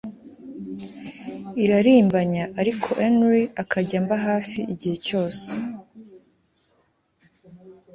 irarimbanya ariko Henry akajya amba hafi igihe cyose